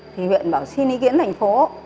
thì huyện bảo xin ý kiến thành phố